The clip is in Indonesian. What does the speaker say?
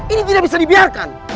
ini tidak bisa dibiarkan